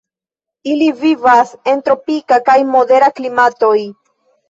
Ili vivas en tropika kaj modera klimatoj.